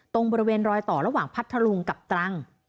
ตรงบริเวณรอยต่อระหว่างพัทธลุงกับตรัง